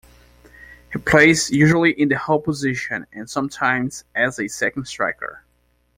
He plays usually in the hole-position, and sometimes as a second striker.